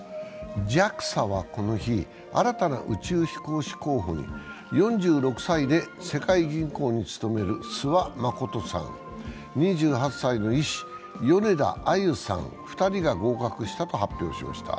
ＪＡＸＡ＝宇宙航空研究開発機構はこの日、新たな宇宙飛行候補に、４６歳で世界銀行に勤める諏訪理さん、２８歳の医師、米田あゆさん２人が合格したと発表しました。